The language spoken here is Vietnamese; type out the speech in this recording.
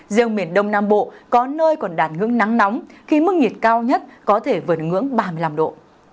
riêng miền đông nam bộ có nơi còn đạt ngưỡng nắng nóng khi mức nhiệt cao nhất có thể vượt ngưỡng ba mươi năm độ